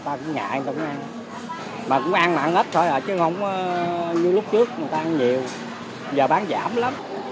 người ta cũng ngại người ta cũng ăn mà cũng ăn mà ăn ít thôi chứ không như lúc trước người ta ăn nhiều giờ bán giảm lắm